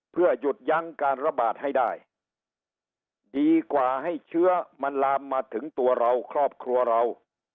เพื่อหยุดยั้งการระบาดให้ได้ดีกว่าให้เชื้อมันลามมาถึงตัวเราครอบครัวเรา